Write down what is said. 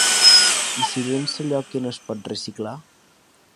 I s'hi llença allò que no es pot reciclar.